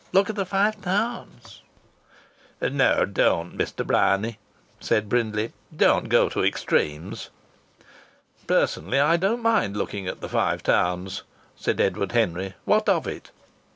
Look at the Five Towns!" "No, don't, Mr. Bryany!" said Brindley. "Don't go to extremes!" "Personally, I don't mind looking at the Five Towns," said Edward Henry. "What of it?"